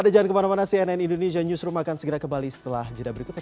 ada jangan kemana mana cnn indonesia newsroom akan segera kembali setelah jeda berikut ini